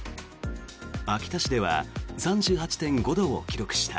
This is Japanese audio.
秋田市では３８．５度を記録した。